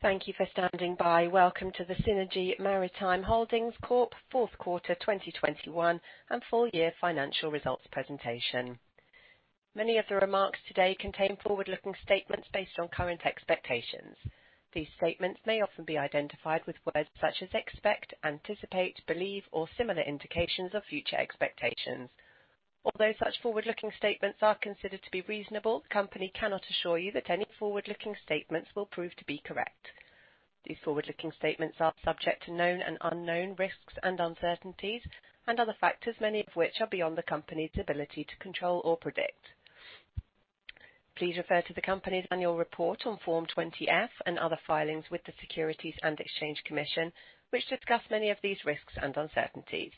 Thank you for standing by. Welcome to the Synergy Maritime Holdings Corp. Fourth quarter 2021 and full year financial results presentation. Many of the remarks today contain forward-looking statements based on current expectations. These statements may often be identified with words such as expect, anticipate, believe, or similar indications of future expectations. Although such forward-looking statements are considered to be reasonable, the company cannot assure you that any forward-looking statements will prove to be correct. These forward-looking statements are subject to known and unknown risks and uncertainties and other factors, many of which are beyond the company's ability to control or predict. Please refer to the company's annual report on Form 20-F and other filings with the Securities and Exchange Commission, which discuss many of these risks and uncertainties.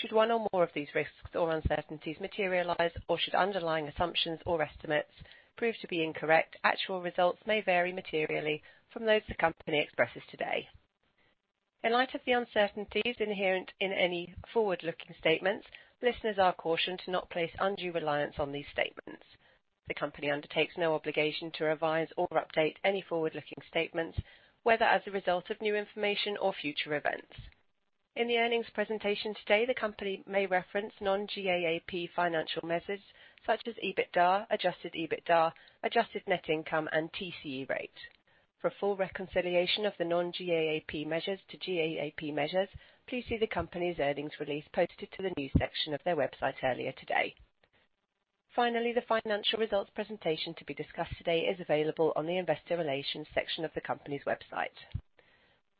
Should one or more of these risks or uncertainties materialize, or should underlying assumptions or estimates prove to be incorrect, actual results may vary materially from those the company expresses today. In light of the uncertainties inherent in any forward-looking statements, listeners are cautioned to not place undue reliance on these statements. The company undertakes no obligation to revise or update any forward-looking statements, whether as a result of new information or future events. In the earnings presentation today, the company may reference non-GAAP financial measures such as EBITDA, adjusted EBITDA, adjusted net income, and TCE rate. For a full reconciliation of the non-GAAP measures to GAAP measures, please see the company's earnings release posted to the news section of their website earlier today. Finally, the financial results presentation to be discussed today is available on the investor relations section of the company's website.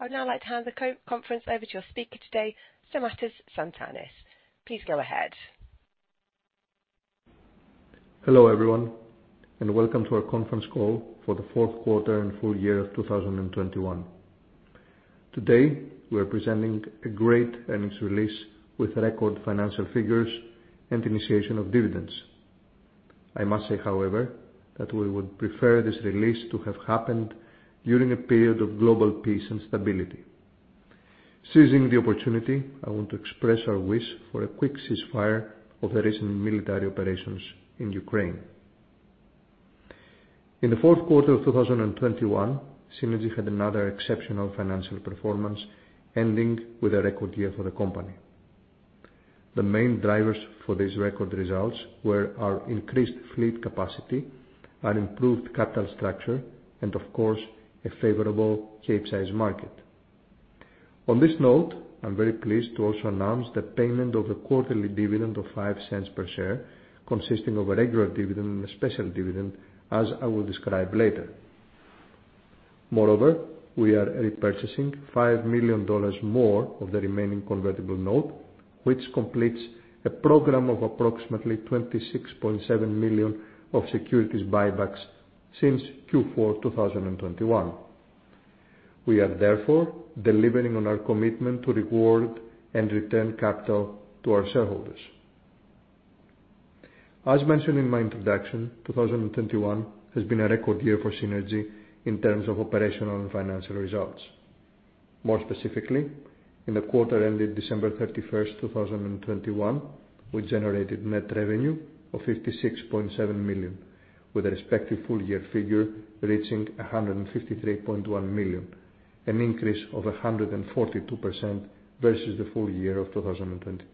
I would now like to hand the conference over to your speaker today, Stamatis Tsantanis. Please go ahead. Hello everyone, and welcome to our conference call for the fourth quarter and full year of 2021. Today, we're presenting a great earnings release with record financial figures and initiation of dividends. I must say, however, that we would prefer this release to have happened during a period of global peace and stability. Seizing the opportunity, I want to express our wish for a quick ceasefire of the recent military operations in Ukraine. In the fourth quarter of 2021,Synergy had another exceptional financial performance, ending with a record year for the company. The main drivers for these record results were our increased fleet capacity and improved capital structure, and of course, a favorable Capesize market. On this note, I'm very pleased to also announce the payment of the quarterly dividend of $0.05 per share, consisting of a regular dividend and a special dividend, as I will describe later. Moreover, we are repurchasing $5 million more of the remaining convertible note, which completes a program of approximately $26.7 million of securities buybacks since Q4 2021. We are therefore delivering on our commitment to reward and return capital to our shareholders. As mentioned in my introduction, 2021 has been a record year forSynergy in terms of operational and financial results. More specifically, in the quarter ending December 31, 2021, we generated net revenue of $56.7 million, with a respective full year figure reaching $153.1 million, an increase of 142% versus the full year of 2020.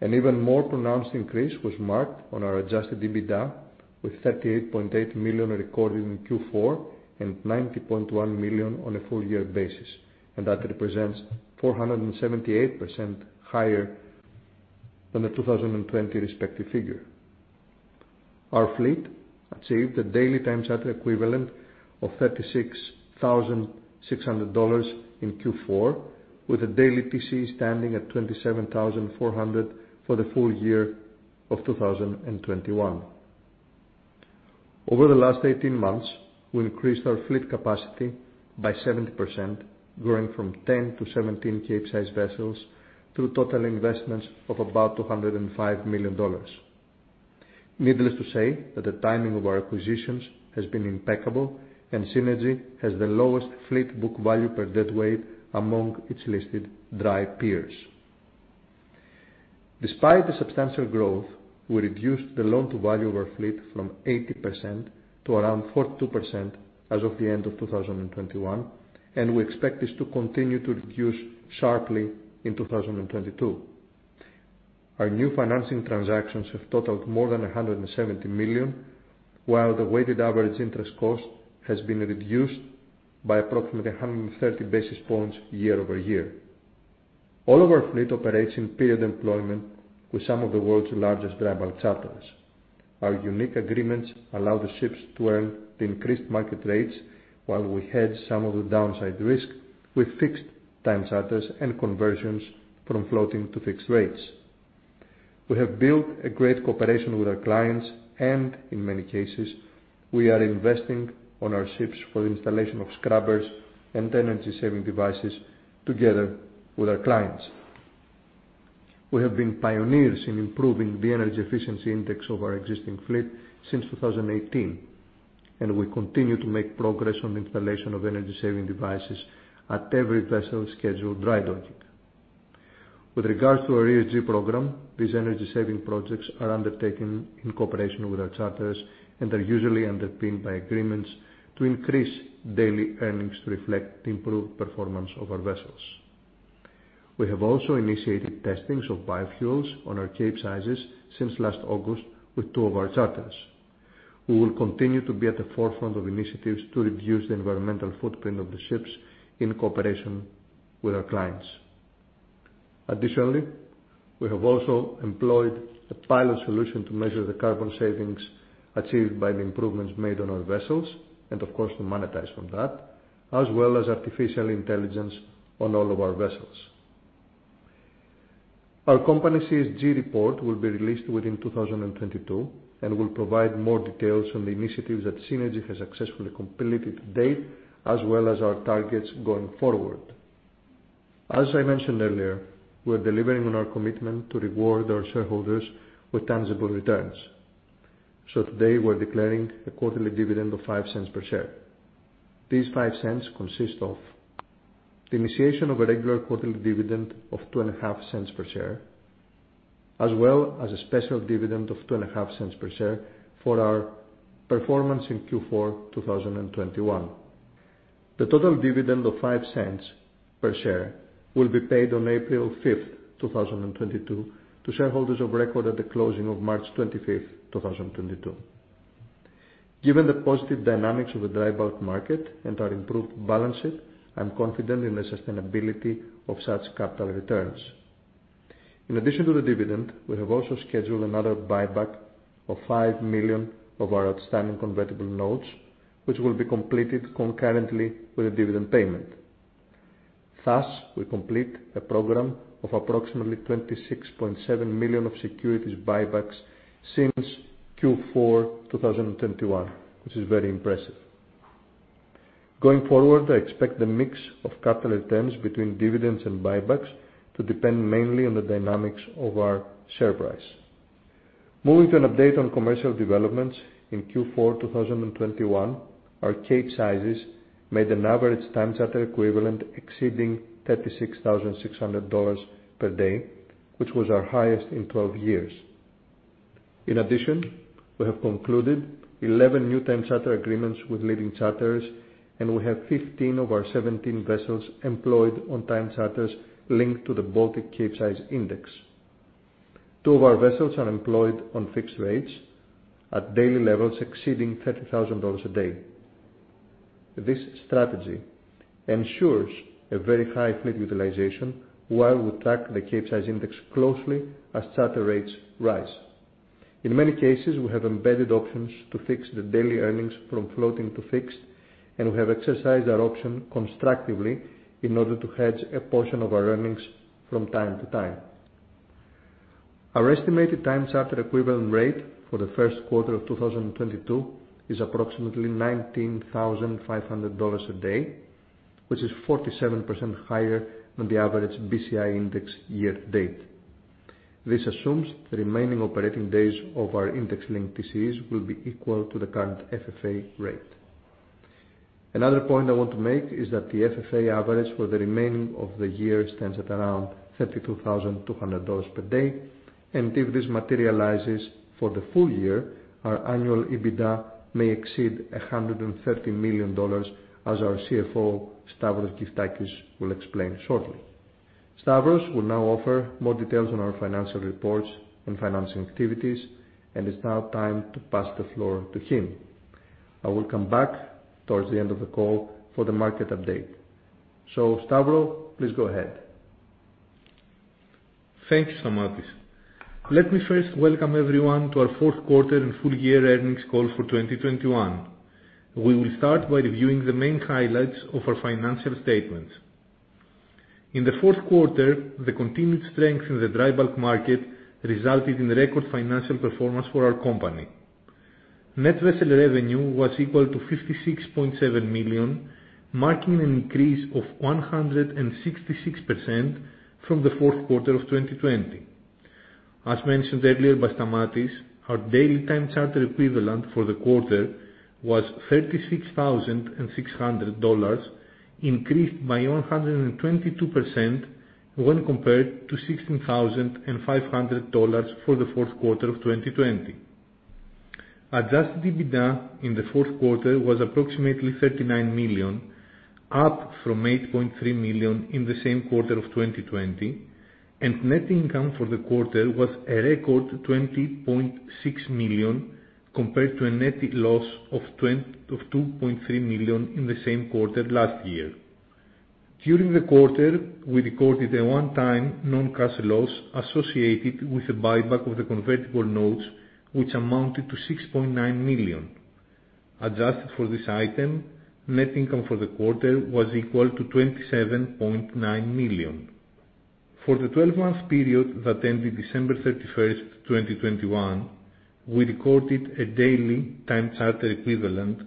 An even more pronounced increase was marked on our adjusted EBITDA with $38.8 million recorded in Q4 and $90.1 million on a full year basis. That represents 478% higher than the 2020 respective figure. Our fleet achieved a daily time charter equivalent of $36,600 in Q4, with a daily TCE standing at $27,400 for the full year of 2021. Over the last 18 months, we increased our fleet capacity by 70%, growing from 10 to 17 Capesize vessels through total investments of about $205 million. Needless to say that the timing of our acquisitions has been impeccable andSynergy has the lowest fleet book value per deadweight among its listed dry peers. Despite the substantial growth, we reduced the loan to value of our fleet from 80% to around 42% as of the end of 2021, and we expect this to continue to reduce sharply in 2022. Our new financing transactions have totaled more than $170 million, while the weighted average interest cost has been reduced by approximately 130 basis points year-over-year. All of our fleet operates in period employment with some of the world's largest reliable charters. Our unique agreements allow the ships to earn the increased market rates while we hedge some of the downside risk with fixed time charters and conversions from floating to fixed rates. We have built a great cooperation with our clients and in many cases, we are investing on our ships for the installation of scrubbers and energy saving devices together with our clients. We have been pioneers in improving the energy efficiency index of our existing fleet since 2018, and we continue to make progress on the installation of energy saving devices at every vessel scheduled dry docking. With regards to our ESG program, these energy-saving projects are undertaken in cooperation with our charters and are usually underpinned by agreements to increase daily earnings to reflect the improved performance of our vessels. We have also initiated testings of biofuels on our Capesizes since last August with 2 of our charters. We will continue to be at the forefront of initiatives to reduce the environmental footprint of the ships in cooperation with our clients. Additionally, we have also employed a pilot solution to measure the carbon savings achieved by the improvements made on our vessels, and of course, to monetize from that, as well as artificial intelligence on all of our vessels. Our company ESG report will be released within 2022 and will provide more details on the initiatives thatSynergy has successfully completed to date, as well as our targets going forward. As I mentioned earlier, we're delivering on our commitment to reward our shareholders with tangible returns, so today we're declaring a quarterly dividend of $0.05 per share. These $0.05 consist of the initiation of a regular quarterly dividend of $0.025 per share, as well as a special dividend of $0.025 per share for our performance in Q4 2021. The total dividend of $0.05 per share will be paid on April 5, 2022 to shareholders of record at the closing of March 25, 2022. Given the positive dynamics of the dry bulk market and our improved balances, I'm confident in the sustainability of such capital returns. In addition to the dividend, we have also scheduled another buyback of $5 million of our outstanding convertible notes, which will be completed concurrently with the dividend payment. Thus, we complete a program of approximately $26.7 million of securities buybacks since Q4 2021, which is very impressive. Going forward, I expect the mix of capital returns between dividends and buybacks to depend mainly on the dynamics of our share price. Moving to an update on commercial developments in Q4 2021, our Capesizes made an average Time Charter Equivalent exceeding $36,600 per day, which was our highest in 12 years. In addition, we have concluded 11 new time charter agreements with leading charters, and we have 15 of our 17 vessels employed on time charters linked to the Baltic Capesize Index. Two of our vessels are employed on fixed rates at daily levels exceeding $30,000 a day. This strategy ensures a very high fleet utilization, while we track the Capesize Index closely as charter rates rise. In many cases, we have embedded options to fix the daily earnings from floating to fixed, and we have exercised our option constructively in order to hedge a portion of our earnings from time to time. Our estimated Time Charter Equivalent rate for the first quarter of 2022 is approximately $19,500 a day, which is 47% higher than the average BCI Index year to date. This assumes the remaining operating days of our index-linked TCEs will be equal to the current FFA rate. Another point I want to make is that the FFA average for the remaining of the year stands at around $32,200 per day. If this materializes for the full year, our annual EBITDA may exceed $130 million as our CFO, Stavros Gyftakis, will explain shortly. Stavros will now offer more details on our financial reports and financing activities, and it's now time to pass the floor to him. I will come back towards the end of the call for the market update. Stavros, please go ahead. Thank you, Stamatis. Let me first welcome everyone to our fourth quarter and full year earnings call for 2021. We will start by reviewing the main highlights of our financial statements. In the fourth quarter, the continued strength in the dry bulk market resulted in record financial performance for our company. Net vessel revenue was equal to $56.7 million, marking an increase of 166% from the fourth quarter of 2020. As mentioned earlier by Stamatis, our daily Time Charter Equivalent for the quarter was $36,600, increased by 122% when compared to $16,500 for the fourth quarter of 2020. Adjusted EBITDA in the fourth quarter was approximately $39 million, up from $8.3 million in the same quarter of 2020, and net income for the quarter was a record $20.6 million compared to a net loss of $2.3 million in the same quarter last year. During the quarter, we recorded a one-time non-cash loss associated with the buyback of the convertible notes, which amounted to $6.9 million. Adjusted for this item, net income for the quarter was equal to $27.9 million. For the 12-month period that ended December 31, 2021, we recorded a daily Time Charter Equivalent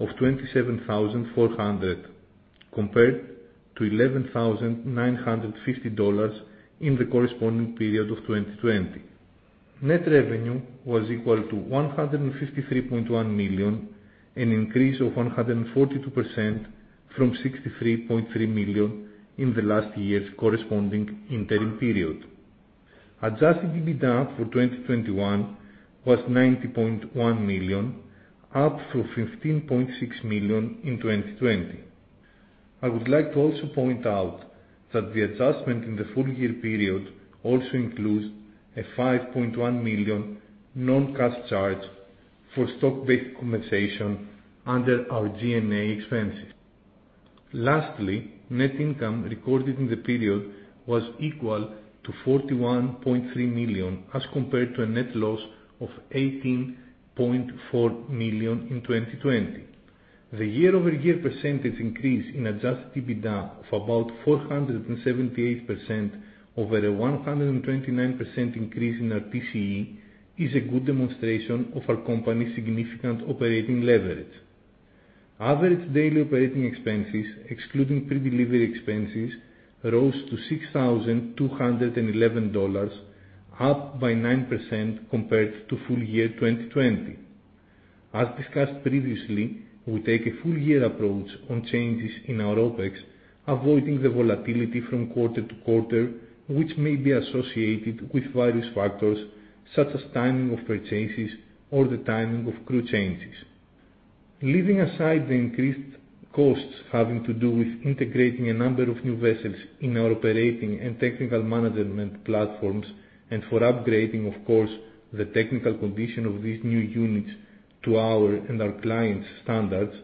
of $27,400 compared to $11,950 in the corresponding period of 2020. Net revenue was equal to $153.1 million, an increase of 142% from $63.3 million in the last year's corresponding interim period. Adjusted EBITDA for 2021 was $90.1 million, up from $15.6 million in 2020. I would like to also point out that the adjustment in the full year period also includes a $5.1 million non-cash charge for stock-based compensation under our G&A expenses. Lastly, net income recorded in the period was equal to $41.3 million, as compared to a net loss of $18.4 million in 2020. The year-over-year percentage increase in adjusted EBITDA of about 478% over a 129% increase in our TCE is a good demonstration of our company's significant operating leverage. Average daily operating expenses, excluding pre-delivery expenses, rose to $6,211, up by 9% compared to full year 2020. As discussed previously, we take a full year approach on changes in our OpEx, avoiding the volatility from quarter to quarter, which may be associated with various factors such as timing of purchases or the timing of crew changes. Leaving aside the increased costs having to do with integrating a number of new vessels in our operating and technical management platforms and for upgrading, of course, the technical condition of these new units to our and our clients' standards,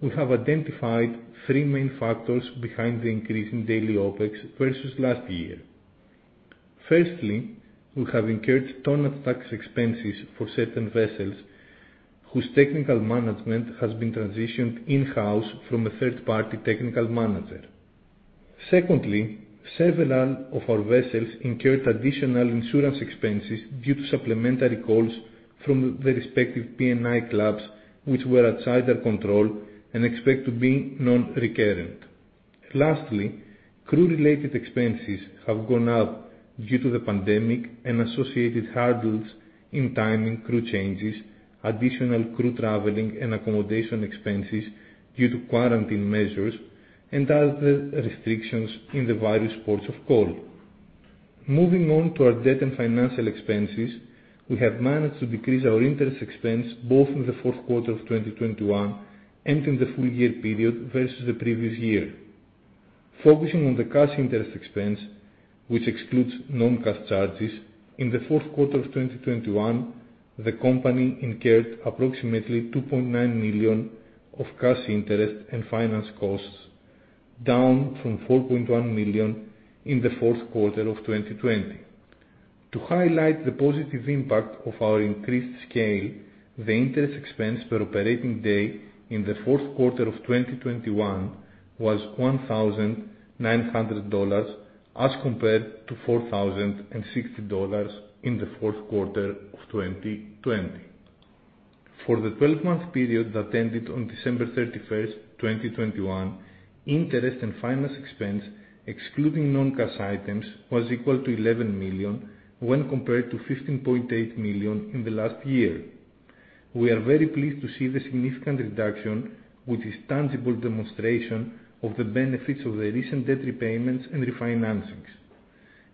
we have identified three main factors behind the increase in daily OpEx versus last year. Firstly, we have incurred tonnage tax expenses for certain vessels whose technical management has been transitioned in-house from a third-party technical manager. Secondly, several of our vessels incurred additional insurance expenses due to supplementary calls from the respective P&I clubs which were outside our control and expected to be non-recurrent. Lastly, crew-related expenses have gone up due to the pandemic and associated hurdles in timing crew changes, additional crew traveling, and accommodation expenses due to quarantine measures and other restrictions in the various ports of call. Moving on to our debt and financial expenses, we have managed to decrease our interest expense both in the fourth quarter of 2021 and in the full year period versus the previous year. Focusing on the cash interest expense, which excludes non-cash charges, in the fourth quarter of 2021, the company incurred approximately $2.9 million of cash interest and finance costs, down from $4.1 million in the fourth quarter of 2020. To highlight the positive impact of our increased scale, the interest expense per operating day in the fourth quarter of 2021 was $1,900 as compared to $4,060 in the fourth quarter of 2020. For the twelve-month period that ended on December 31, 2021, interest and finance expense, excluding non-cash items, was equal to $11 million when compared to $15.8 million in the last year. We are very pleased to see the significant reduction, which is tangible demonstration of the benefits of the recent debt repayments and refinancings.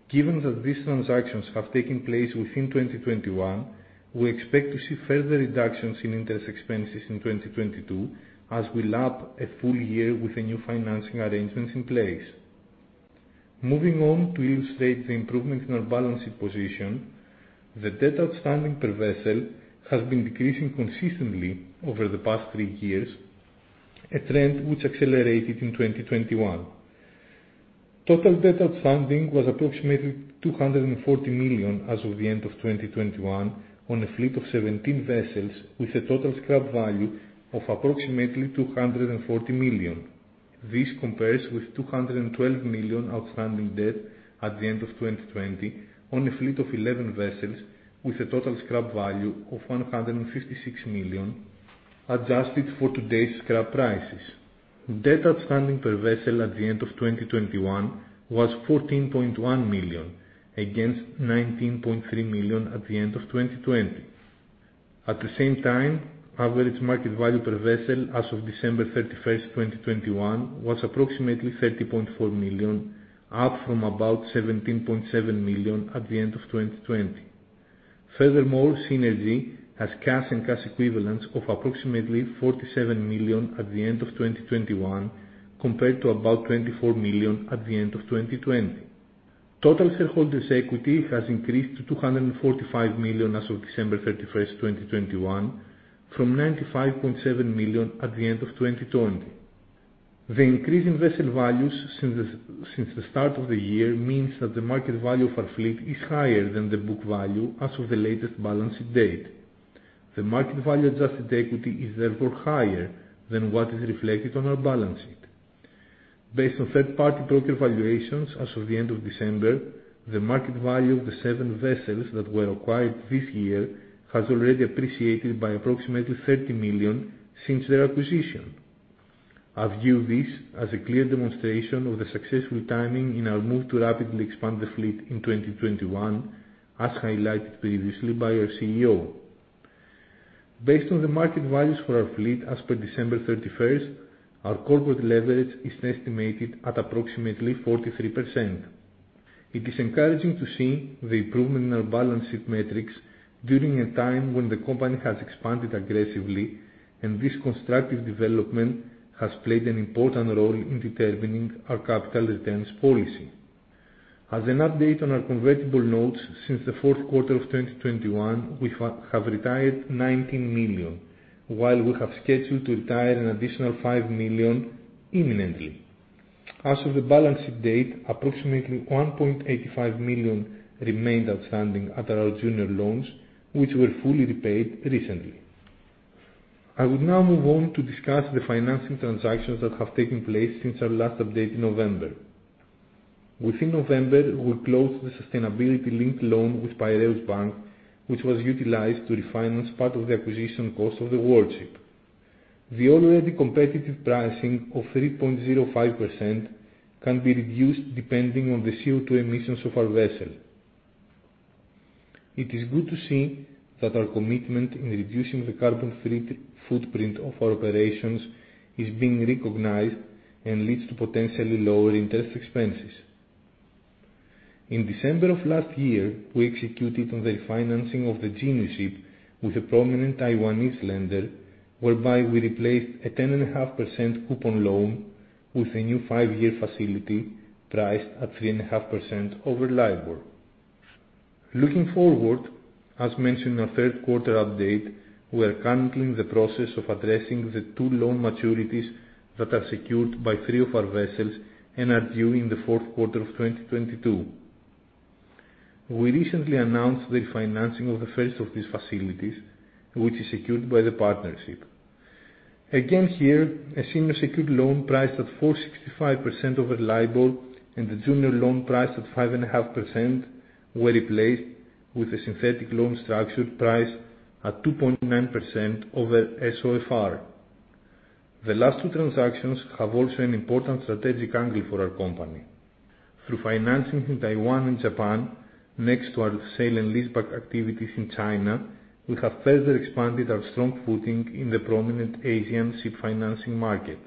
Given that these transactions have taken place within 2021, we expect to see further reductions in interest expenses in 2022 as we lap a full year with the new financing arrangements in place. Moving on to illustrate the improvement in our balance sheet position, the debt outstanding per vessel has been decreasing consistently over the past three years, a trend which accelerated in 2021. Total debt outstanding was approximately $240 million as of the end of 2021 on a fleet of 17 vessels with a total scrap value of approximately $240 million. This compares with $212 million outstanding debt at the end of 2020 on a fleet of 11 vessels with a total scrap value of $156 million adjusted for today's scrap prices. Debt outstanding per vessel at the end of 2021 was $14.1 million against $19.3 million at the end of 2020. At the same time, average market value per vessel as of December 31, 2021, was approximately $30.4 million, up from about $17.7 million at the end of 2020. Furthermore, Synergy has cash and cash equivalents of approximately $47 million at the end of 2021 compared to about $24 million at the end of 2020. Total shareholders equity has increased to $245 million as of December 31, 2021, from $95.7 million at the end of 2020. The increase in vessel values since the start of the year means that the market value of our fleet is higher than the book value as of the latest balance sheet date. The market value adjusted equity is therefore higher than what is reflected on our balance sheet. Based on third-party broker valuations as of the end of December, the market value of the seven vessels that were acquired this year has already appreciated by approximately $30 million since their acquisition. I view this as a clear demonstration of the successful timing in our move to rapidly expand the fleet in 2021, as highlighted previously by our CEO. Based on the market values for our fleet as per December 31, our corporate leverage is estimated at approximately 43%. It is encouraging to see the improvement in our balance sheet metrics during a time when the company has expanded aggressively, and this constructive development has played an important role in determining our capital returns policy. As an update on our convertible notes since the fourth quarter of 2021, we have retired $19 million, while we have scheduled to retire an additional $5 million imminently. As of the balance sheet date, approximately $1.85 million remained outstanding under our junior loans, which were fully repaid recently. I will now move on to discuss the financing transactions that have taken place since our last update in November. Within November, we closed the sustainability-linked loan with Piraeus Bank, which was utilized to refinance part of the acquisition cost of the Worldship. The already competitive pricing of 3.05% can be reduced depending on the CO₂ emissions of our vessel. It is good to see that our commitment in reducing the carbon footprint of our operations is being recognized and leads to potentially lower interest expenses. In December of last year, we executed the refinancing of the Geniuship with a prominent Taiwanese lender, whereby we replaced a 10.5% coupon loan with a new five-year facility priced at 3.5% over LIBOR. Looking forward, as mentioned in our third quarter update, we are currently in the process of addressing the two loan maturities that are secured by three of our vessels and are due in the fourth quarter of 2022. We recently announced the refinancing of the first of these facilities, which is secured by the Partnership. Again, here, a senior secured loan priced at 4.65% over LIBOR and the junior loan priced at 5.5% were replaced with a synthetic loan structured priced at 2.9% over SOFR. The last two transactions have also an important strategic angle for our company. Through financing in Taiwan and Japan, next to our sale and leaseback activities in China, we have further expanded our strong footing in the prominent Asian ship financing market.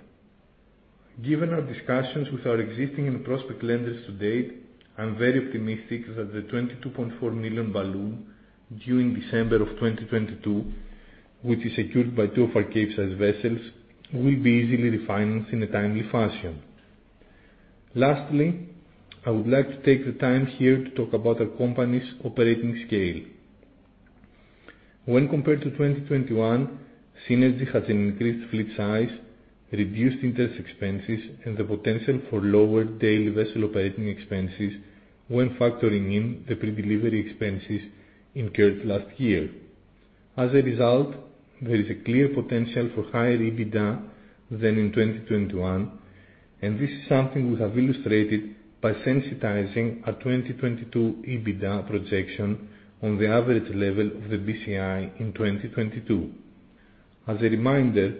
Given our discussions with our existing and prospective lenders to date, I'm very optimistic that the $22.4 million balloon due in December of 2022, which is secured by two of our Capesize vessels, will be easily refinanced in a timely fashion. Lastly, I would like to take the time here to talk about our company's operating scale. When compared to 2021,Synergy has an increased fleet size, reduced interest expenses, and the potential for lower daily vessel operating expenses when factoring in the predelivery expenses incurred last year. As a result, there is a clear potential for higher EBITDA than in 2021, and this is something we have illustrated by sensitizing our 2022 EBITDA projection on the average level of the BCI in 2022. As a reminder,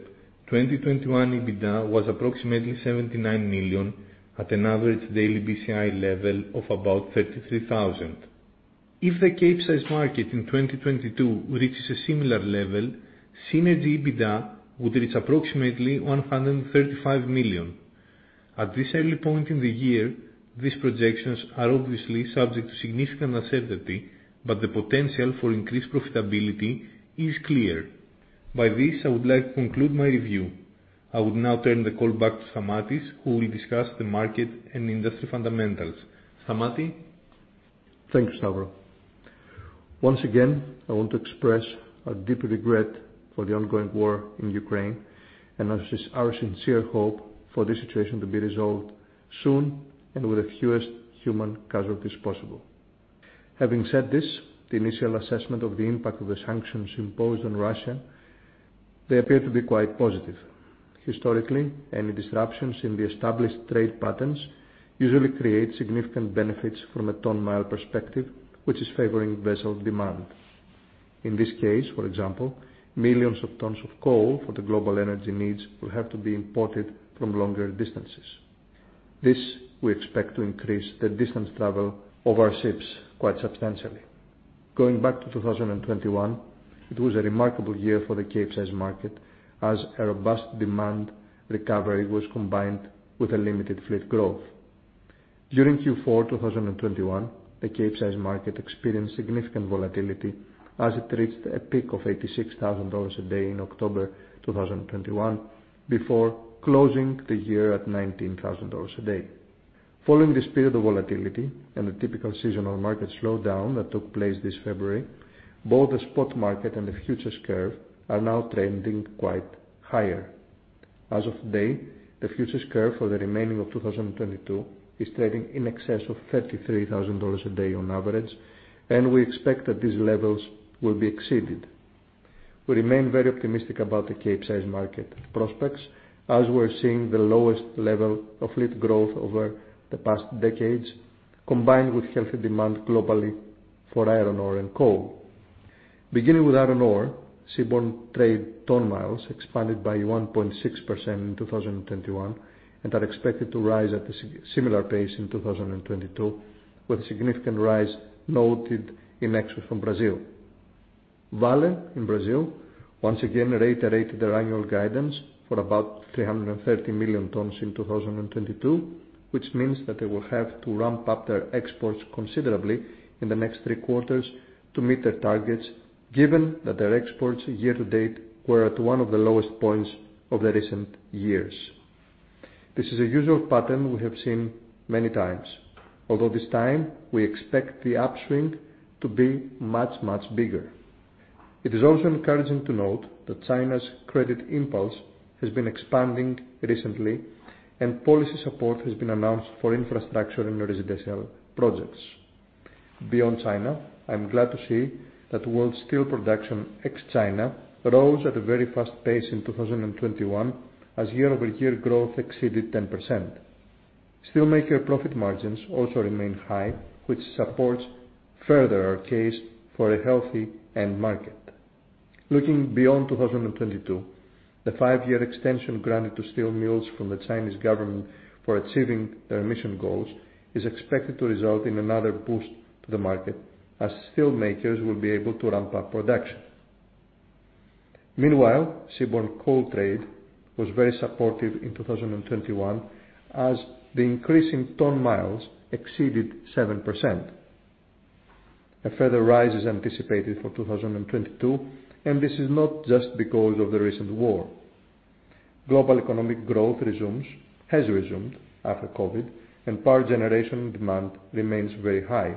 2021 EBITDA was approximately $79 million at an average daily BCI level of about 33,000. If the Capesize market in 2022 reaches a similar level, Synergy EBITDA would reach approximately $135 million. At this early point in the year, these projections are obviously subject to significant uncertainty, but the potential for increased profitability is clear. By this, I would like to conclude my review. I would now turn the call back to Stamatis, who will discuss the market and industry fundamentals. Stamatis? Thank you, Stavros. Once again, I want to express our deep regret for the ongoing war in Ukraine and as is our sincere hope for this situation to be resolved soon and with the fewest human casualties possible. Having said this, the initial assessment of the impact of the sanctions imposed on Russia. They appear to be quite positive. Historically, any disruptions in the established trade patterns usually create significant benefits from a ton-mile perspective, which is favoring vessel demand. In this case, for example, millions of tons of coal for the global energy needs will have to be imported from longer distances. This we expect to increase the distance travel of our ships quite substantially. Going back to 2021, it was a remarkable year for the Capesize market as a robust demand recovery was combined with a limited fleet growth. During Q4 2021, the Capesize market experienced significant volatility as it reached a peak of $86,000 a day in October 2021, before closing the year at $19,000 a day. Following this period of volatility and the typical seasonal market slowdown that took place this February, both the spot market and the futures curve are now trending quite higher. As of today, the futures curve for the remaining of 2022 is trading in excess of $33,000 a day on average, and we expect that these levels will be exceeded. We remain very optimistic about the Capesize market prospects as we're seeing the lowest level of fleet growth over the past decades, combined with healthy demand globally for iron ore and coal. Beginning with iron ore, seaborne trade ton-miles expanded by 1.6% in 2021, and are expected to rise at a similar pace in 2022, with significant rise noted in exports from Brazil. Vale in Brazil, once again reiterated their annual guidance for about 330 million tons in 2022, which means that they will have to ramp up their exports considerably in the next three quarters to meet their targets, given that their exports year to date were at one of the lowest points of the recent years. This is a usual pattern we have seen many times, although this time we expect the upswing to be much, much bigger. It is also encouraging to note that China's credit impulse has been expanding recently and policy support has been announced for infrastructure and residential projects. Beyond China, I'm glad to see that world steel production ex China rose at a very fast pace in 2021 as year over year growth exceeded 10%. Steel maker profit margins also remain high, which supports further our case for a healthy end market. Looking beyond 2022, the five-year extension granted to steel mills from the Chinese government for achieving their emission goals is expected to result in another boost to the market as steel makers will be able to ramp up production. Meanwhile, seaborne coal trade was very supportive in 2021 as the increase in ton-miles exceeded 7%. A further rise is anticipated for 2022, and this is not just because of the recent war. Global economic growth has resumed after COVID and power generation demand remains very high.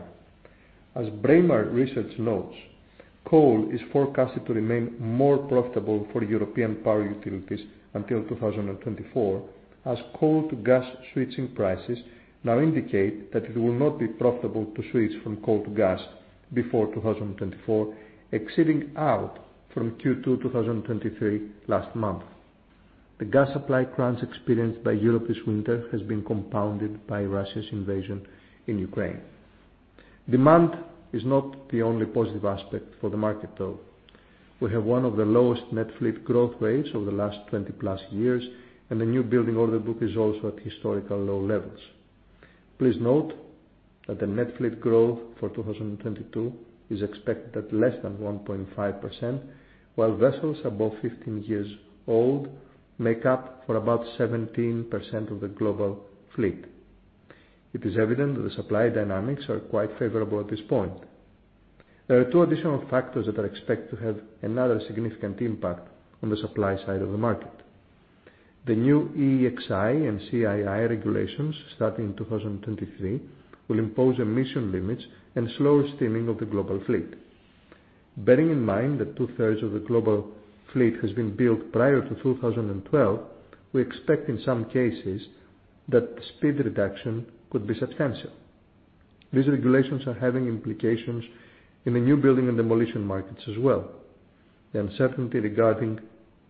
As Braemar Research notes, coal is forecasted to remain more profitable for European power utilities until 2024, as coal to gas switching prices now indicate that it will not be profitable to switch from coal to gas before 2024, extending out from Q2 2023 last month. The gas supply crunch experienced by Europe this winter has been compounded by Russia's invasion of Ukraine. Demand is not the only positive aspect for the market, though. We have one of the lowest net fleet growth rates over the last 20+ years, and the new building order book is also at historical low levels. Please note that the net fleet growth for 2022 is expected at less than 1.5%, while vessels above 15 years old make up for about 17% of the global fleet. It is evident that the supply dynamics are quite favorable at this point. There are two additional factors that are expected to have another significant impact on the supply side of the market. The new EEXI and CII regulations starting in 2023 will impose emission limits and slower steaming of the global fleet. Bearing in mind that two-thirds of the global fleet has been built prior to 2012, we expect in some cases that speed reduction could be substantial. These regulations are having implications in the new building and demolition markets as well. The uncertainty regarding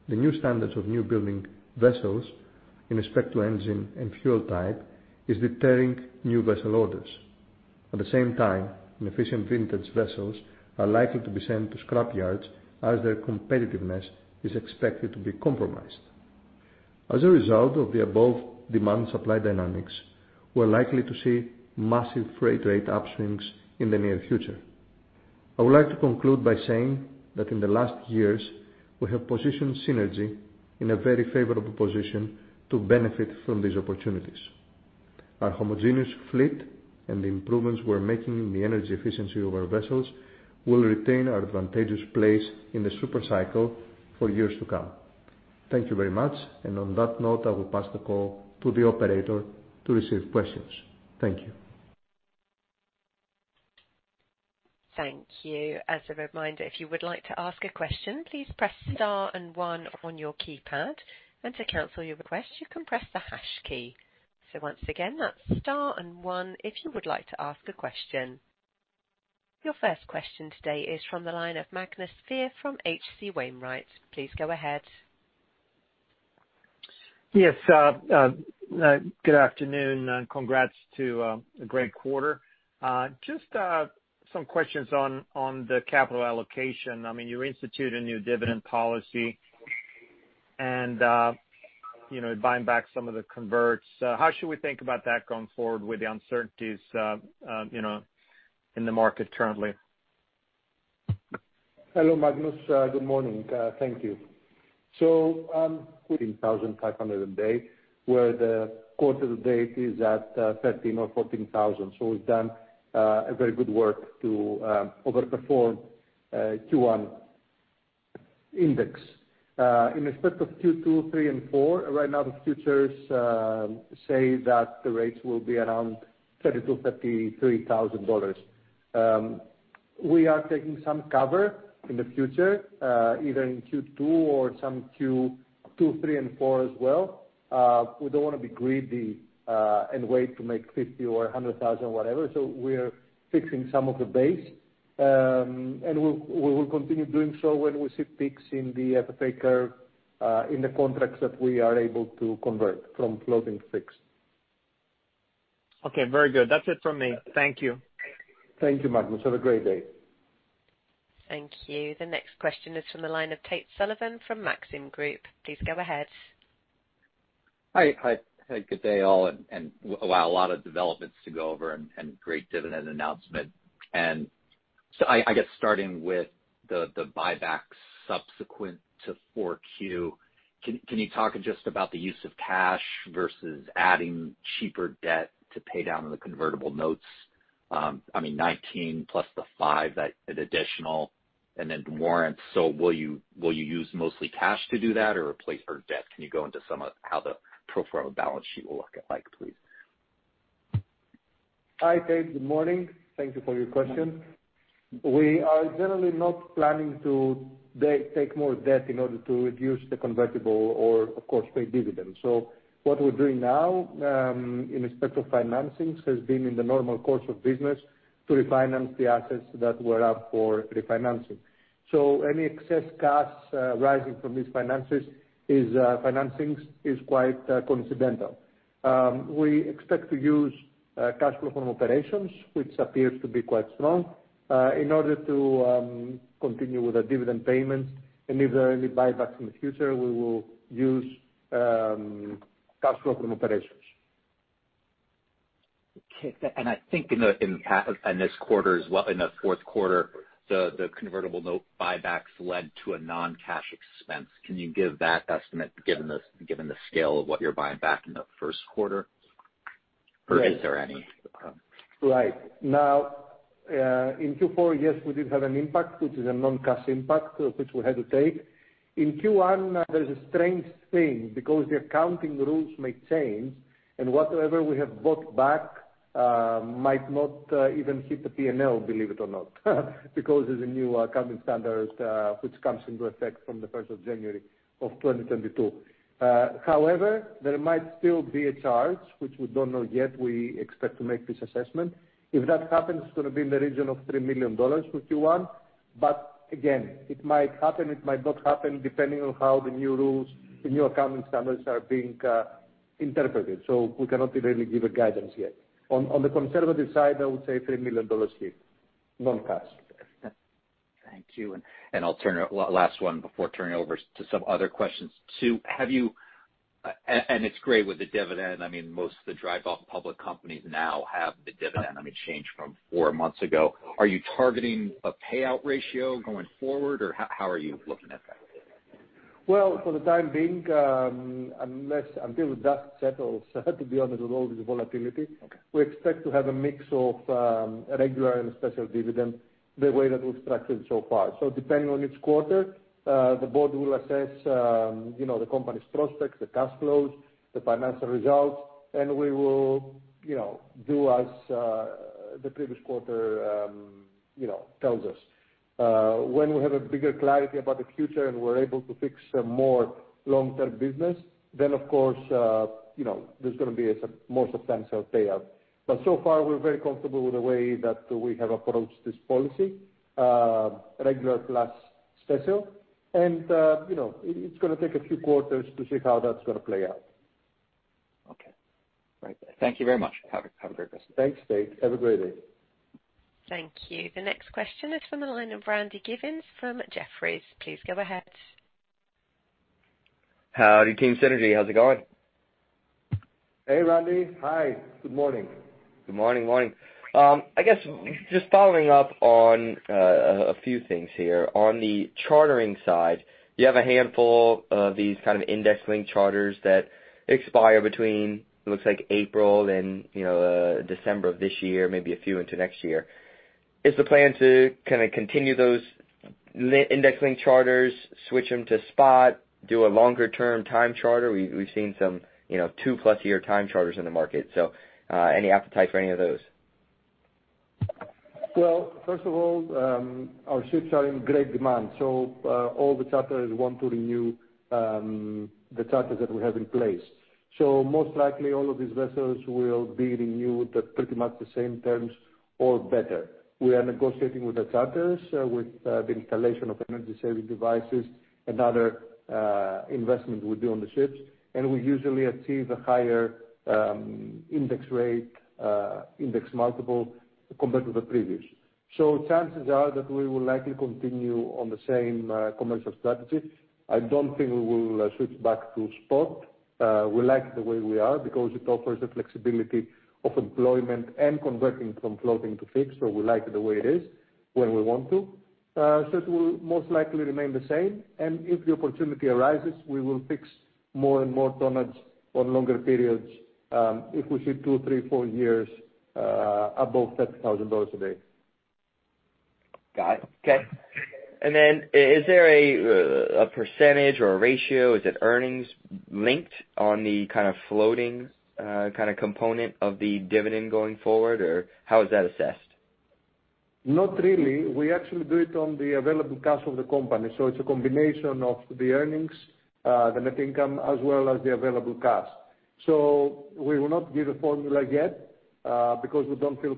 the new standards of new building vessels in respect to engine and fuel type is deterring new vessel orders. At the same time, inefficient vintage vessels are likely to be sent to scrap yards as their competitiveness is expected to be compromised. As a result of the above demand supply dynamics, we're likely to see massive freight rate upswings in the near future. I would like to conclude by saying that in the last years, we have positionedSynergy in a very favorable position to benefit from these opportunities. Our homogeneous fleet and the improvements we're making in the energy efficiency of our vessels will retain our advantageous place in the super cycle for years to come. Thank you very much. On that note, I will pass the call to the operator to receive questions. Thank you. Thank you. As a reminder, if you would like to ask a question, please press star and one on your keypad, and to cancel your request, you can press the hash key. Once again, that's star and one if you would like to ask a question. Your first question today is from the line of Magnus Fyhr from H.C. Wainwright. Please go ahead. Yes, good afternoon and congrats to a great quarter. Just some questions on the capital allocation. I mean, you institute a new dividend policy and, you know, buying back some of the converts. How should we think about that going forward with the uncertainties, you know, in the market currently? Hello, Magnus. Good morning. Thank you. Putting 1,500 a day, where the quarter to date is at $13,000 or $14,000. We've done a very good work to overperform Q1 index. In respect of Q2, Q3 and Q4, right now, the futures say that the rates will be around $32,000-$33,000. We are taking some cover in the futures, either in Q2 or some Q2, Q3 and Q4 as well. We don't wanna be greedy and wait to make $50,000 or $100,000, whatever. We're fixing some of the base, and we will continue doing so when we see peaks in the FFA curve, in the contracts that we are able to convert from floating fixed. Okay, very good. That's it from me. Thank you. Thank you, Magnus. Have a great day. Thank you. The next question is from the line of Tate Sullivan from Maxim Group. Please go ahead. Hi, hi. Good day all, wow, a lot of developments to go over and great dividend announcement. I guess starting with the buyback subsequent to 4Q, can you talk just about the use of cash versus adding cheaper debt to pay down the convertible notes? I mean $19 plus the $5, that's an additional and then warrants. Will you use mostly cash to do that or replace for debt? Can you go into some of how the pro forma balance sheet will look like, please? Hi, Tate. Good morning. Thank you for your question. We are generally not planning to take more debt in order to reduce the convertible or of course pay dividends. What we're doing now in respect of financings has been in the normal course of business to refinance the assets that were up for refinancing. Any excess cash rising from these financings is quite coincidental. We expect to use cash flow from operations, which appears to be quite strong, in order to continue with the dividend payments. If there are any buybacks in the future, we will use cash flow from operations. Okay. I think in this quarter as well, in the fourth quarter, the convertible note buybacks led to a non-cash expense. Can you give that estimate given the scale of what you're buying back in the first quarter? Yes. Is there any? Right. Now, in Q4, yes, we did have an impact, which is a non-cash impact, which we had to take. In Q1, there's a strange thing because the accounting rules may change and whatever we have bought back, might not even hit the P&L, believe it or not, because of the new accounting standards, which comes into effect from January 1, 2022. However, there might still be a charge which we don't know yet. We expect to make this assessment. If that happens, it's gonna be in the region of $3 million for Q1. Again, it might happen, it might not happen, depending on how the new rules, the new accounting standards are being interpreted. We cannot really give a guidance yet. On the conservative side, I would say $3 million here, non-cash. Thank you. I'll turn it to the last one before turning over to some other questions. Too, have you and it's great with the dividend. I mean, most of the dry bulk public companies now have the dividend. I mean, change from four months ago. Are you targeting a payout ratio going forward or how are you looking at that? Well, for the time being, until the dust settles, to be honest, with all this volatility. Okay. We expect to have a mix of regular and special dividend the way that we've structured so far. Depending on each quarter, the board will assess you know the company's prospects, the cash flows, the financial results, and we will you know do as the previous quarter you know tells us. When we have a bigger clarity about the future and we're able to fix some more long-term business, then of course you know there's gonna be a more substantial payout. So far, we're very comfortable with the way that we have approached this policy regular plus special. You know it's gonna take a few quarters to see how that's gonna play out. Okay. Right. Thank you very much. Have a great rest of the day. Thanks, Tate. Have a great day. Thank you. The next question is from the line of Randy Giveans from Jefferies. Please go ahead. Howdy, Team Synergy. How's it going? Hey, Randy. Hi. Good morning. Good morning. I guess just following up on a few things here. On the chartering side, you have a handful of these kind of index-linked charters that expire between April and December of this year, maybe a few into next year. Is the plan to kinda continue those index-linked charters, switch them to spot, do a longer term time charter? We've seen some two-plus year time charters in the market, so any appetite for any of those? Well, first of all, our ships are in great demand, so all the charters want to renew the charters that we have in place. Most likely all of these vessels will be renewed at pretty much the same terms or better. We are negotiating with the charters with the installation of energy saving devices and other investment we do on the ships. We usually achieve a higher index rate index multiple compared to the previous. Chances are that we will likely continue on the same commercial strategy. I don't think we will switch back to spot. We like the way we are because it offers the flexibility of employment and converting from floating to fixed, so we like it the way it is when we want to. It will most likely remain the same. If the opportunity arises, we will fix more and more tonnage on longer periods, if we see 2, 3, 4 years above $30,000 a day. Got it. Okay. Is there a percentage or a ratio? Is it earnings linked on the kind of floating kind of component of the dividend going forward? Or how is that assessed? Not really. We actually do it on the available cash of the company. It's a combination of the earnings, the net income, as well as the available cash. We will not give a formula yet, because we don't feel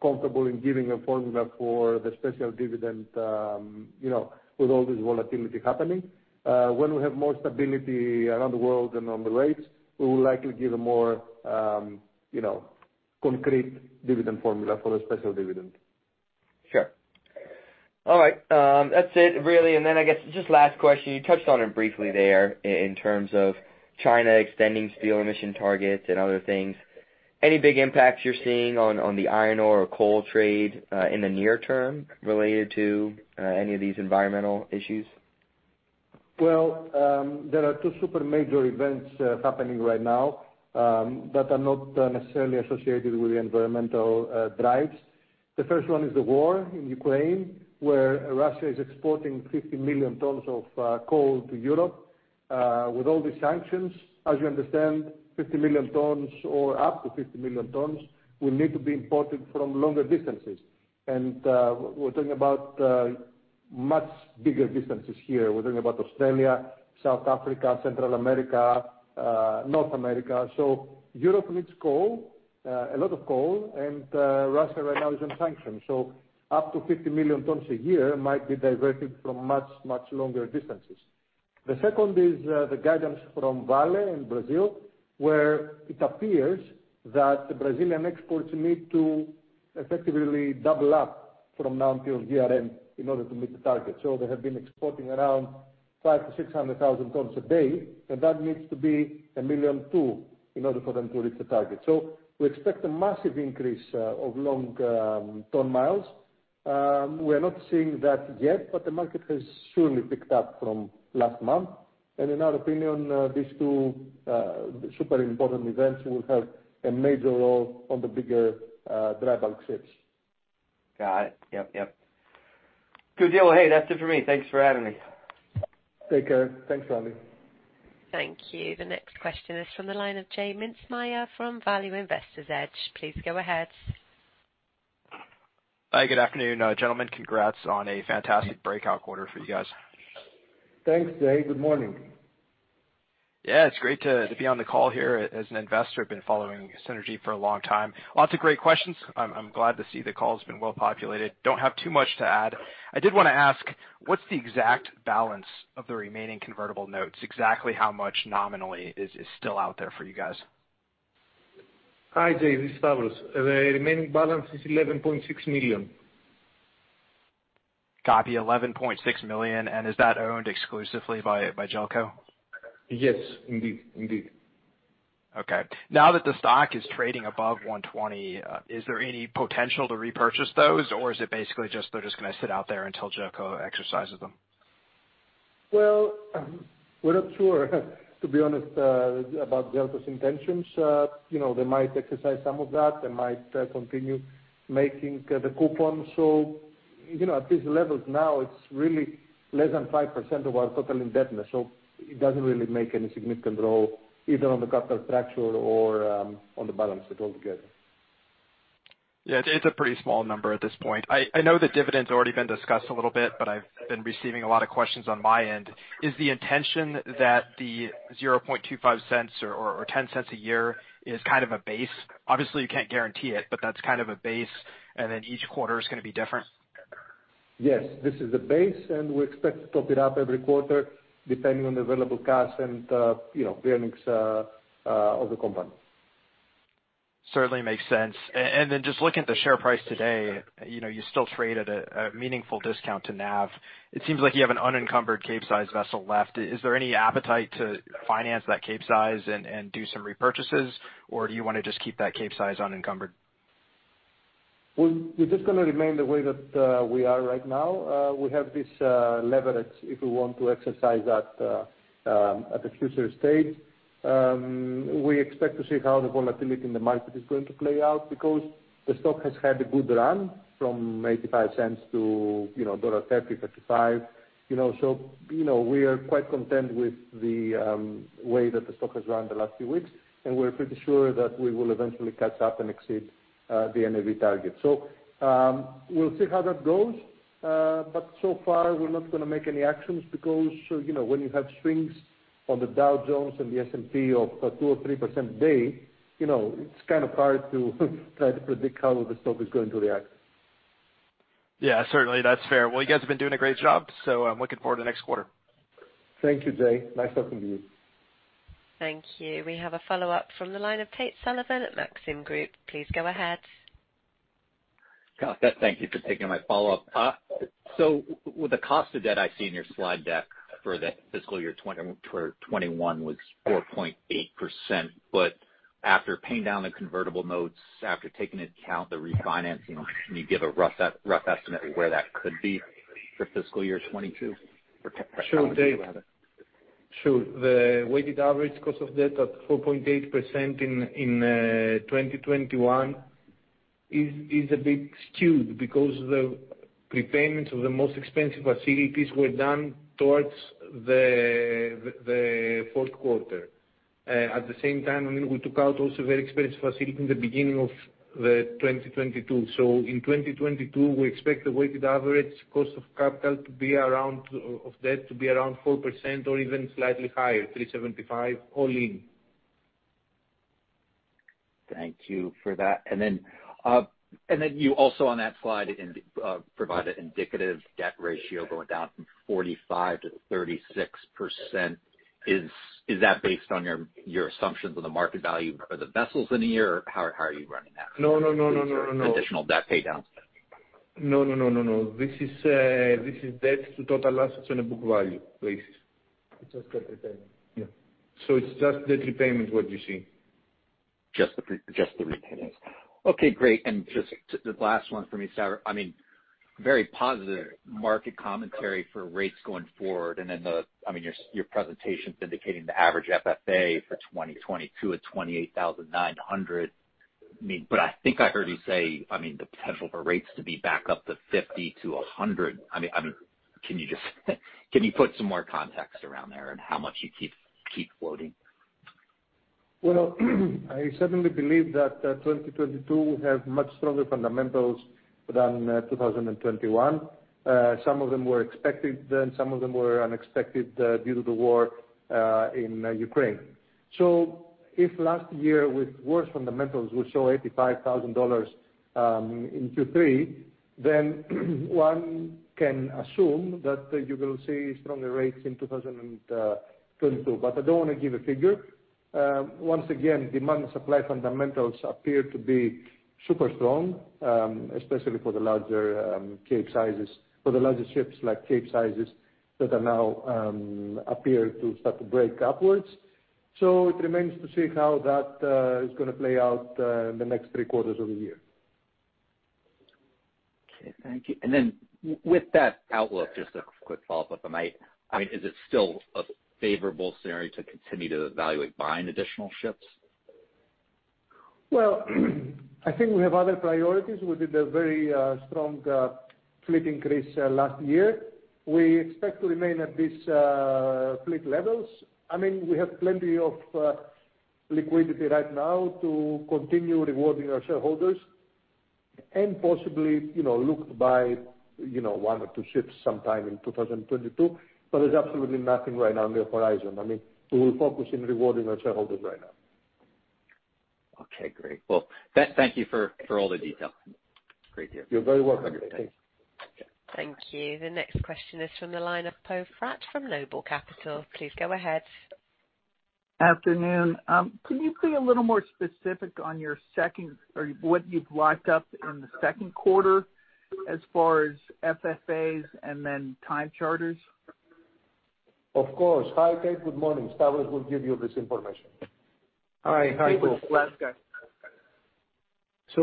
comfortable in giving a formula for the special dividend, you know, with all this volatility happening. When we have more stability around the world and on the rates, we will likely give a more, you know, concrete dividend formula for the special dividend. Sure. All right. That's it really. Then I guess just last question, you touched on it briefly there in terms of China extending steel emission targets and other things. Any big impacts you're seeing on the iron ore or coal trade in the near term related to any of these environmental issues? Well, there are two super major events happening right now that are not necessarily associated with the environmental drives. The first one is the war in Ukraine, where Russia is exporting 50 million tons of coal to Europe. With all the sanctions, as you understand, 50 million tons or up to 50 million tons will need to be imported from longer distances. We're talking about much bigger distances here. We're talking about Australia, South Africa, Central America, North America. Europe needs coal, a lot of coal, and Russia right now is on sanctions. Up to 50 million tons a year might be diverted from much, much longer distances. The second is the guidance from Vale in Brazil, where it appears that the Brazilian exports need to effectively double up from now until year-end in order to meet the target. They have been exporting around 500,000-600,000 tons a day, and that needs to be 1.2 million in order for them to reach the target. We expect a massive increase of long ton-miles. We're not seeing that yet, but the market has surely picked up from last month. In our opinion, these two super important events will have a major role on the bigger dry bulk ships. Got it. Yep, yep. Good deal. Well, hey, that's it for me. Thanks for having me. Take care. Thanks, Randy. Thank you. The next question is from the line of J Mintzmyer from Value Investor's Edge. Please go ahead. Hi, good afternoon, gentlemen. Congrats on a fantastic breakout quarter for you guys. Thanks, J. Good morning. Yeah, it's great to be on the call here. As an investor, I've been followingSynergy for a long time. Lots of great questions. I'm glad to see the call has been well populated. Don't have too much to add. I did wanna ask, what's the exact balance of the remaining convertible notes? Exactly how much nominally is still out there for you guys? Hi, J, this is Stavros. The remaining balance is $11.6 million. Copy. $11.6 million. Is that owned exclusively by Jelco? Yes. Indeed. Okay. Now that the stock is trading above $120, is there any potential to repurchase those, or is it basically just they're gonna sit out there until Jelco exercises them? Well, we're not sure, to be honest, about Jelco's intentions. You know, they might exercise some of that. They might continue making the coupons. You know, at these levels now, it's really less than 5% of our total indebtedness, so it doesn't really make any significant role, either on the capital structure or on the balance sheet altogether. Yeah, it's a pretty small number at this point. I know the dividend's already been discussed a little bit, but I've been receiving a lot of questions on my end. Is the intention that the $0.0025 or $0.10 a year is kind of a base? Obviously, you can't guarantee it, but that's kind of a base, and then each quarter is gonna be different. Yes. This is the base, and we expect to top it up every quarter depending on the available cash and, you know, earnings of the company. Certainly makes sense. Then just looking at the share price today, you know, you still trade at a meaningful discount to NAV. It seems like you have an unencumbered Capesize vessel left. Is there any appetite to finance that Capesize and do some repurchases, or do you wanna just keep that Capesize unencumbered? We're just gonna remain the way that we are right now. We have this leverage if we want to exercise that at a future stage. We expect to see how the volatility in the market is going to play out because the stock has had a good run from $0.85 to, you know, $1.30-$1.35. You know, so, you know, we are quite content with the way that the stock has run the last few weeks, and we're pretty sure that we will eventually catch up and exceed the NAV target. We'll see how that goes. So far, we're not gonna make any actions because, you know, when you have swings on the Dow Jones and the S&P of 2% or 3% a day, you know, it's kind of hard to try to predict how the stock is going to react. Yeah. Certainly, that's fair. Well, you guys have been doing a great job, so I'm looking forward to next quarter. Thank you, J. Nice talking to you. Thank you. We have a follow-up from the line of Tate Sullivan at Maxim Group. Please go ahead. Got that. Thank you for taking my follow-up. With the cost of debt I see in your slide deck for the fiscal year 2021 was 4.8%. After paying down the convertible notes, after taking into account the refinancing, can you give a rough estimate where that could be for fiscal year 2022 for Jelco rather? Sure, Tate. Sure. The weighted average cost of debt at 4.8% in 2021 is a bit skewed because the prepayments of the most expensive facilities were done towards the fourth quarter. At the same time, I mean, we took out also very expensive facility in the beginning of 2022. In 2022, we expect the weighted average cost of debt to be around 4% or even slightly higher, 3.75%, all in. Thank you for that. You also on that slide provide an indicative debt ratio going down from 45%-36%. Is that based on your assumptions on the market value of the vessels in a year or how are you running that? No. Additional debt pay downs. No. This is debt to total assets on a book value basis. It's just debt repayment. Yeah. It's just debt repayment what you see. Just the repayments. Okay, great. Just the last one for me, Stav. I mean, very positive market commentary for rates going forward. Then I mean, your presentation's indicating the average FFA for 2022 at $28,900. I mean, but I think I heard you say, I mean, the potential for rates to be back up to $50,000-$100,000. I mean, can you just put some more context around there and how much you keep floating? Well, I certainly believe that 2022 will have much stronger fundamentals than 2021. Some of them were expected, then some of them were unexpected due to the war in Ukraine. If last year with worse fundamentals we saw $85,000 in Q3, then one can assume that you will see stronger rates in 2022. I don't wanna give a figure. Once again, demand and supply fundamentals appear to be super strong, especially for the larger Cape sizes, for the larger ships like Cape sizes that are now appear to start to break upwards. It remains to see how that is gonna play out in the next three quarters of the year. Okay, thank you. With that outlook, just a quick follow-up. I mean, is it still a favorable scenario to continue to evaluate buying additional ships? Well, I think we have other priorities. We did a very strong fleet increase last year. We expect to remain at these fleet levels. I mean, we have plenty of liquidity right now to continue rewarding our shareholders and possibly, you know, look to buy, you know, one or two ships sometime in 2022. There's absolutely nothing right now on the horizon. I mean, we will focus on rewarding our shareholders right now. Okay, great. Well, thank you for all the detail. Great year. You're very welcome. Thanks. Okay. Thank you. The next question is from the line of Poe Fratt from Noble Capital. Please go ahead. Afternoon. Can you be a little more specific on your second or what you've locked up in the second quarter as far as FFAs and then time charters? Of course. Hi, Poe, good morning. Stavros will give you this information. All right. Hi, Poe.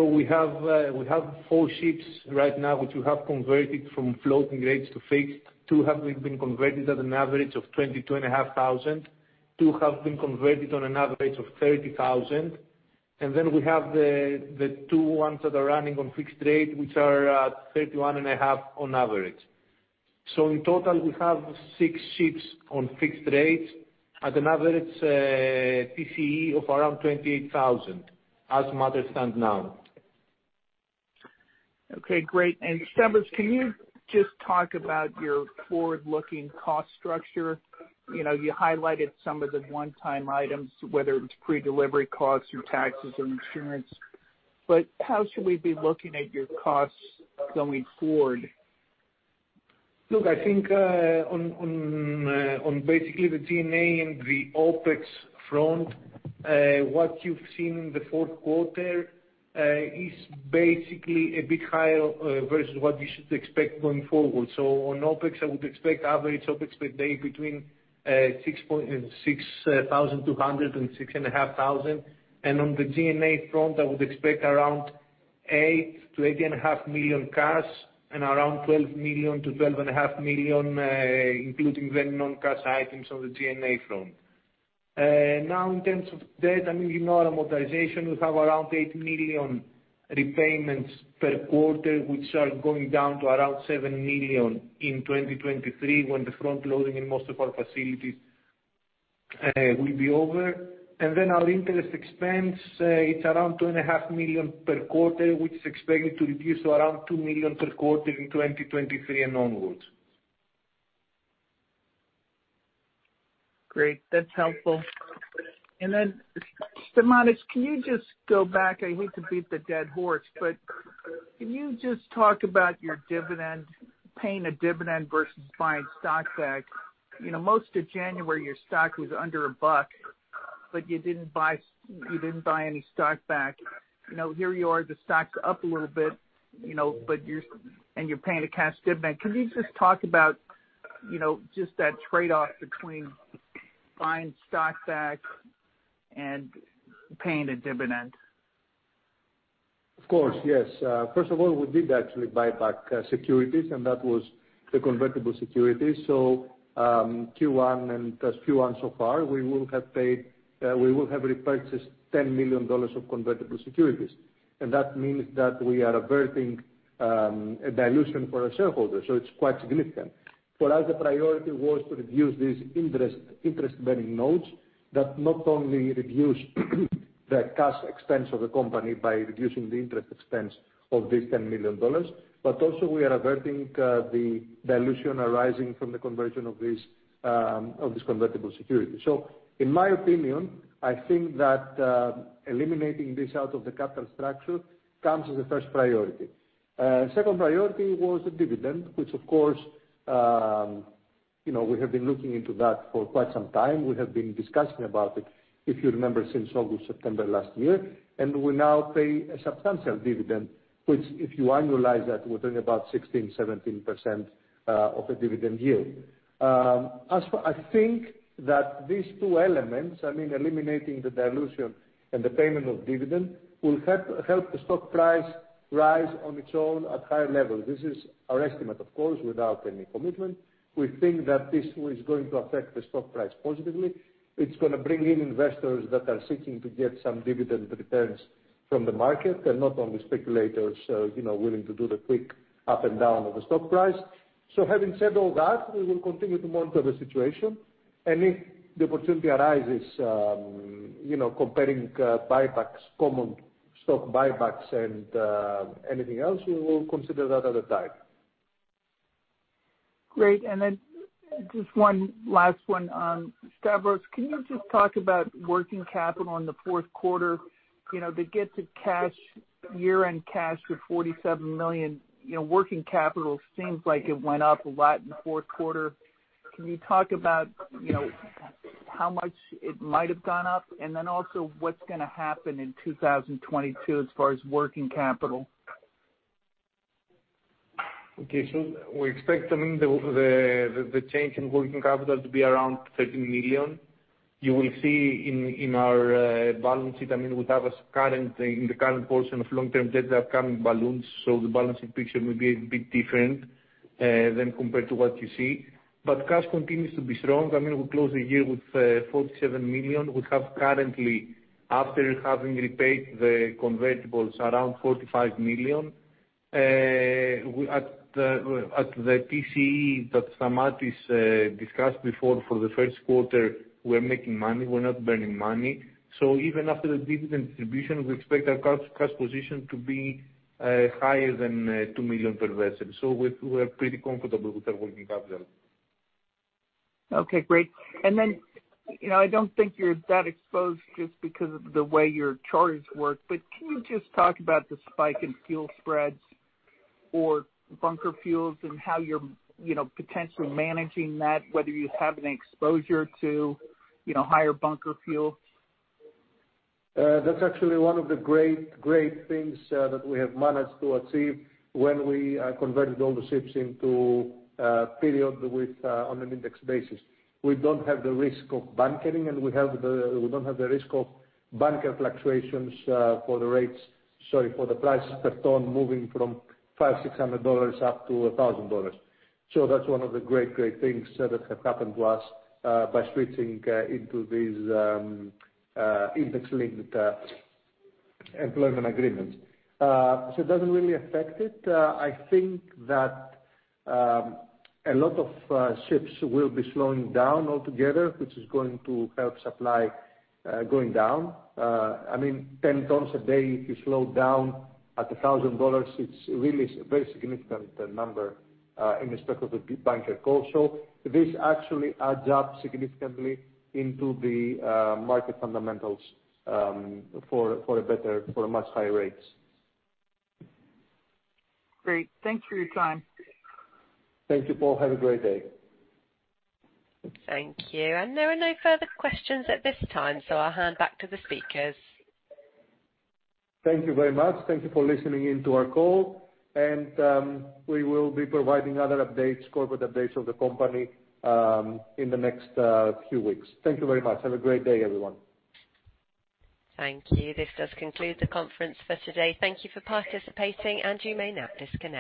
We have four ships right now which we have converted from floating rates to fixed. Two have been converted at an average of $22,500. Two have been converted at an average of $30,000. We have the two ones that are running on fixed rate, which are at $31,500 on average. In total, we have six ships on fixed rates at an average TCE of around $28,000 as matters stand now. Okay, great. Stavros, can you just talk about your forward-looking cost structure? You know, you highlighted some of the one-time items, whether it's pre-delivery costs or taxes or insurance, but how should we be looking at your costs going forward? Look, I think on basically the G&A and the OpEx front, what you've seen in the fourth quarter is basically a bit higher versus what you should expect going forward. On OpEx, I would expect average OpEx per day between 6,200 and 6,500. On the G&A front, I would expect around $8-$8.5 million cash and around $12 million-$12.5 million, including the non-cash items on the G&A front. Now in terms of debt, I mean, you know our amortization, we have around $8 million repayments per quarter, which are going down to around $7 million in 2023 when the front loading in most of our facilities will be over. Our interest expense, it's around $2.5 million per quarter, which is expected to reduce to around $2 million per quarter in 2023 and onwards. Great. That's helpful. Then, Stamatis, can you just go back? I hate to beat the dead horse, but can you just talk about your dividend, paying a dividend versus buying stock back? You know, most of January, your stock was under a buck, but you didn't buy any stock back. You know, here you are, the stock's up a little bit, you know, but you're paying a cash dividend. Can you just talk about, you know, just that trade-off between buying stock back and paying a dividend? Of course, yes. First of all, we did actually buy back securities and that was the convertible securities. Q1 and as Q1 so far, we will have repurchased $10 million of convertible securities. That means that we are averting a dilution for our shareholders, so it's quite significant. For us, the priority was to reduce these interest-bearing notes that not only reduce the cash expense of the company by reducing the interest expense of this $10 million, but also we are averting the dilution arising from the conversion of these convertible securities. In my opinion, I think that eliminating this out of the capital structure comes as a first priority. Second priority was the dividend, which of course, you know, we have been looking into that for quite some time. We have been discussing about it, if you remember, since August, September last year, and we now pay a substantial dividend, which if you annualize that we're talking about 16%-17% of the dividend yield. I think that these two elements, I mean, eliminating the dilution and the payment of dividend, will help the stock price rise on its own at higher levels. This is our estimate, of course, without any commitment. We think that this is going to affect the stock price positively. It's gonna bring in investors that are seeking to get some dividend returns from the market and not only speculators, you know, willing to do the quick up and down of the stock price. Having said all that, we will continue to monitor the situation. If the opportunity arises, you know, comparing buybacks, common stock buybacks and anything else, we will consider that at the time. Great. Just one last one on Stavros. Can you just talk about working capital in the fourth quarter? You know, to get to cash, year-end cash with $47 million, you know, working capital seems like it went up a lot in the fourth quarter. Can you talk about, you know, how much it might have gone up? Then also what's gonna happen in 2022 as far as working capital? Okay. We expect, I mean, the change in working capital to be around $13 million. You will see in our balance sheet, I mean, we have a current portion of long-term debt, the upcoming balance. The balance sheet picture may be a bit different than compared to what you see. Cash continues to be strong. I mean, we close the year with $47 million. We have currently, after having repaid the convertibles around $45 million. At the TCE that Stamatis discussed before for the first quarter, we're making money, we're not burning money. Even after the dividend distribution, we expect our cash position to be higher than $2 million per vessel. We're pretty comfortable with our working capital. Okay, great. You know, I don't think you're that exposed just because of the way your charters work, but can you just talk about the spike in fuel spreads or bunker fuels and how you're, you know, potentially managing that, whether you have an exposure to, you know, higher bunker fuel? That's actually one of the great things that we have managed to achieve when we converted all the ships into period with on an index basis. We don't have the risk of bunkering, and we don't have the risk of bunker fluctuations for the rates, sorry, for the price per ton moving from $500-$600 up to $1,000. That's one of the great things that have happened to us by switching into these index-linked employment agreements. It doesn't really affect it. I think that a lot of ships will be slowing down altogether, which is going to help supply going down. I mean, 10 tons a day, if you slow down at $1,000, it's really a very significant number, in respect of the bunker cost. This actually adds up significantly into the market fundamentals, for much higher rates. Great. Thanks for your time. Thank you, Poe. Have a great day. Thank you. There are no further questions at this time, so I'll hand back to the speakers. Thank you very much. Thank you for listening in to our call. We will be providing other updates, corporate updates of the company, in the next few weeks. Thank you very much. Have a great day, everyone. Thank you. This does conclude the conference for today. Thank you for participating, and you may now disconnect.